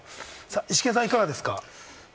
イシケンさん、いかがですか？